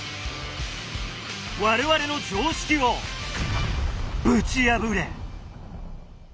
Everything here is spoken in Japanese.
我々の常識を、ぶち破れ！